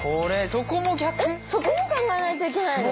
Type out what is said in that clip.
そこも考えないといけないの？